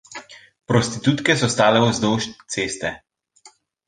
Prostitutke so stale vzdolž ceste.